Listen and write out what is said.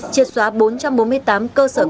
triệt xóa bốn trăm bốn mươi tám cơ sở kinh tế